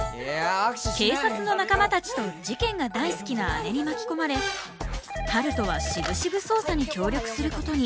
警察の仲間たちと事件が大好きな姉に巻き込まれ春風はしぶしぶ捜査に協力することに。